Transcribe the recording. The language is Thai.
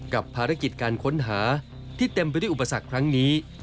กับภารกิจการค้นหาที่เต็มไปด้วยอุปสรรคครั้งนี้